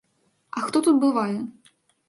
А хто тут бывае?